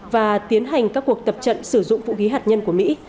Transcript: và tiến hành các cuộc tập trận sử dụng vũ khí hạt nhân của mỹ